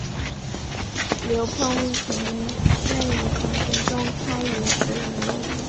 刘怦生于唐玄宗开元十五年。